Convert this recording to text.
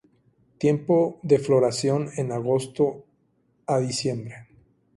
Tiempo de floración en agosto a diciembre.